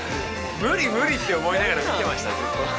無理無理って思いながら見てましたずっと。